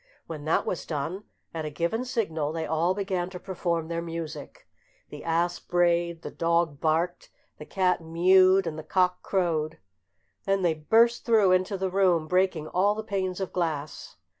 When that was done, at a given signal they all began to perform their music. The ass brayed, the dog barked, the cat mewed, and the cock crowed; then they burst through into the room, breaking all the panes of glass.